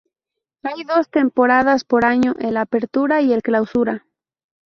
Hay dos temporadas por año, el Apertura y Clausura.